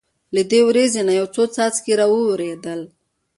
له دې وریځې نه یو څو څاڅکي را وورېدل.